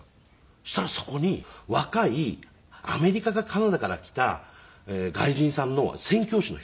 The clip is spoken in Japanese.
そしたらそこに若いアメリカかカナダから来た外国人さんの宣教師の人。